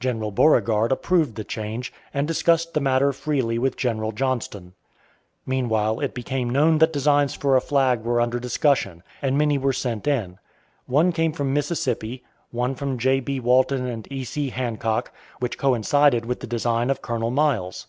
General Beauregard approved the change, and discussed the matter freely with General Johnston. Meanwhile it became known that designs for a flag were under discussion, and many were sent in. One came from Mississippi; one from J.B. Walton and E.C. Hancock, which coincided with the design of Colonel Miles.